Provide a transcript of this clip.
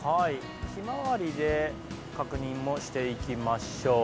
ひまわりで確認もしていきましょう。